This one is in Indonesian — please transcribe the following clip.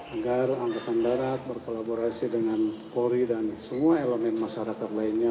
agar angkatan darat berkolaborasi dengan polri dan semua elemen masyarakat lainnya